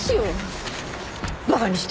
馬鹿にして！